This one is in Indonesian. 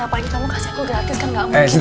apalagi kamu kasih aku gratis kan gak mungkin